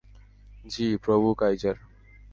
জ্বি, প্রভু কাইযার।